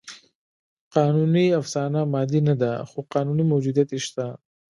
قانوني افسانه مادي نهده؛ خو قانوني موجودیت یې شته.